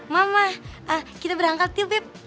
mama kita berangkat yuk beb